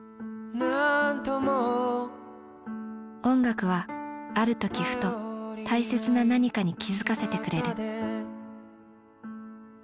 音楽はあるときふと大切な何かに気付かせてくれる。